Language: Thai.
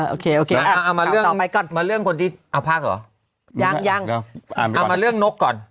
โอเคโอเคเอามาเรื่องต่อไปก่อนมาเรื่องคนที่เอาพักเหรอยังยังเอามาเรื่องนกก่อน